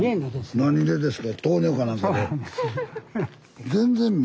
何でですか？